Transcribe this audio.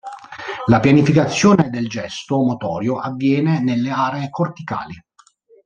La pianificazione del gesto motorio avviene nelle aree corticali.